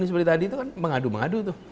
seperti tadi itu kan mengadu mengadu tuh